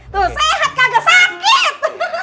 tuh sehat kagak sakit